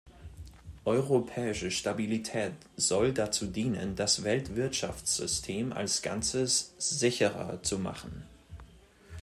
Europäische Stabilität soll dazu dienen, das Weltwirtschaftssystem als Ganzes sicherer zu machen.